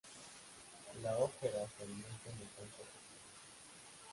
La ópera se ambienta en el campo toscano.